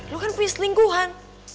lo kan punya selingkuhan